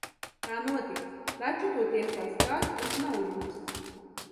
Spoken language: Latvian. Tā notiks, taču to tiesās kāds, kas nav jucis!